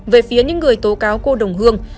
về phía những người tố cáo cô đồng hương